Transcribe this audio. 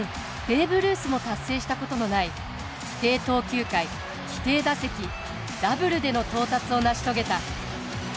ベーブ・ルースも達成したことのない規定投球回規定打席ダブルでの到達を成し遂げた。